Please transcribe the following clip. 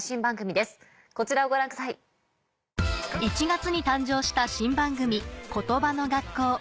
１月に誕生した新番組『コトバの学校』